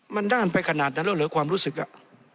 มันด้านไปขนาดนั้นแล้วเหลือความรู้สึกอ่ะ